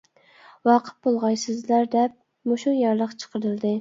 ۋاقىپ بولغايسىزلەر دەپ، مۇشۇ يارلىق چىقىرىلدى.